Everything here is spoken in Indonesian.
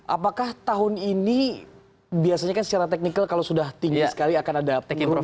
apakah tahun ini biasanya kan secara teknikal kalau sudah tinggi sekali akan ada penurunan